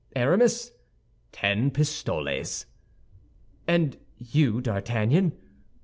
"Aramis?" "Ten pistoles." "And you, D'Artagnan?"